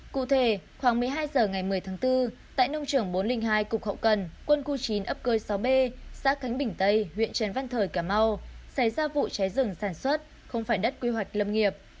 cụ thể khoảng một mươi hai h ngày một mươi tháng bốn tại nông trường bốn trăm linh hai cục hậu cần quân khu chín ấp cơi sáu b xã khánh bình tây huyện trần văn thời cà mau xảy ra vụ cháy rừng sản xuất không phải đất quy hoạch lâm nghiệp